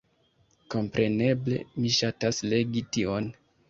Kompreneble mi ŝatas legi tion